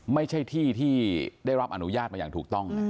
ไม่ใช่ที่ที่ได้รับอนุญาตมาอย่างถูกต้อง